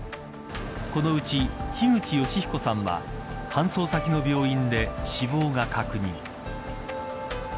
このうち、樋口善彦さんは搬送先の病院で死亡が確認。